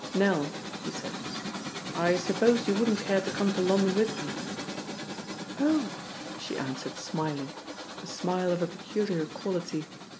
"Nell," he said, "I suppose you wouldn't care to come to London with me?" "Oh!" she answered smiling, a smile of a peculiar quality.